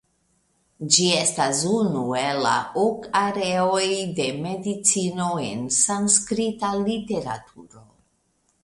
Ĝi estas unu el la ok areoj de medicino en sanskrita literaturo.